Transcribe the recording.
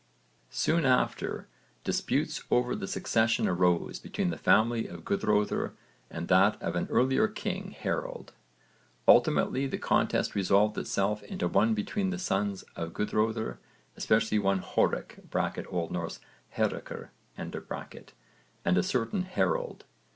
Soon after disputes over the succession arose between the family of Guðröðr and that of an earlier king Harold. Ultimately the contest resolved itself into one between the sons of Guðröðr, especially one Horic (O.N. Hárekr) and a certain Harold.